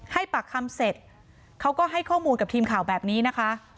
ให้ปากคำเสร็จเขาก็ให้ข้อมูลกับทีมข่าวแบบนี้นะคะ